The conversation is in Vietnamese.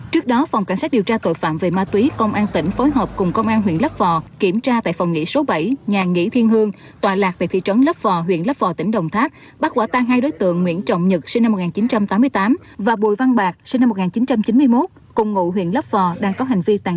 trước đó phòng cảnh sát điều tra tội phạm về ma túy công an tỉnh phối hợp cùng công an huyện lắp vò kiểm tra tại phòng nghỉ số bảy nhà nghỉ thiên hương tòa lạc tại thị trấn lắp vò huyện lắp vò tỉnh đồng tháp bắt quả tan hai đối tượng nguyễn trọng nhật sinh năm một nghìn chín trăm tám mươi tám và bùi văn bạc sinh năm một nghìn chín trăm chín mươi một